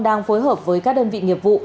đang phối hợp với các đơn vị nghiệp vụ